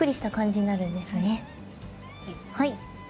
はい。